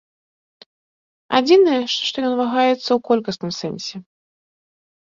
Адзінае, што ён вагаецца ў колькасным сэнсе.